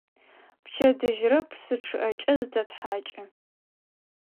Пчэдыжьрэ псы чъыӀэкӀэ зытэтхьакӀы.